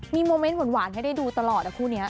มีโมเมนต์หวานให้ได้ดูตลอดนะคู่นี้